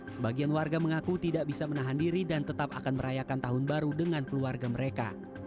sebagian warga mengaku tidak bisa menahan diri dan tetap akan merayakan tahun baru dengan keluarga mereka